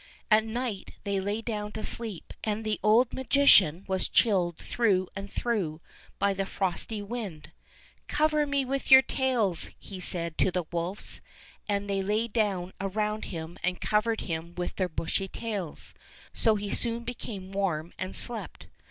At night they lay down to sleep, and the old magician was chilled through and through by the frosty wind. '' Cover me with your tails," he said to the wolves; and they laydown around him and covered him with their bushy tails. So he soon became warm and slept.